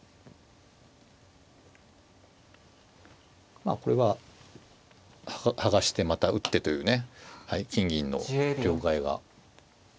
まあこれは剥がしてまた打ってというね金銀の両替が起きると思いますよ。